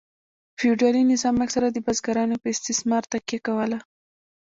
فیوډالي نظام اکثره د بزګرانو په استثمار تکیه کوله.